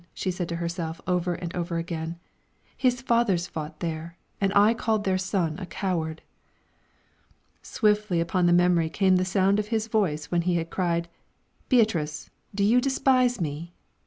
she said to herself over and over again; "his fathers fought there, and I called their son a coward!" Swiftly upon the memory came the sound of his voice when he had cried, "Beatrice, do you despise me?"